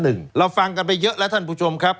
เราฟังกันไปเยอะแล้วท่านผู้ชมครับ